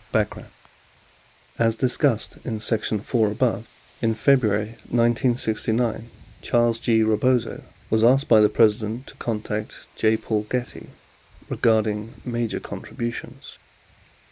Background As discussed in section IY above, in February 1969, Charles G. Rebozo was asked by the President to contact J. Paul Getty "regarding major contributions."